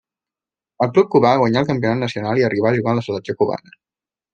Al club cubà guanyà el campionat nacional i arribà a jugar amb la selecció cubana.